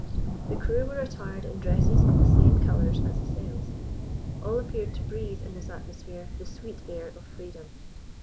The crew were attired in dresses of the same colours as the sails. All appeared to breathe in this atmosphere the sweet air of freedom.